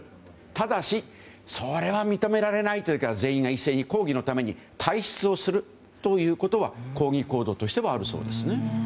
ただし、それは認められないという時は全員が一斉に抗議のために退室をするということは抗議行動としてはあるそうです。